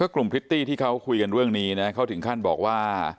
กลุ่มพริตตี้ที่เขาคุยกันเรื่องนี้นะเขาถึงขั้นบอกว่า